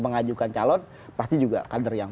mengajukan calon pasti juga kader yang